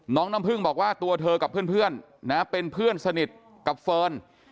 น้ำพึ่งบอกว่าตัวเธอกับเพื่อนนะเป็นเพื่อนสนิทกับเฟิร์น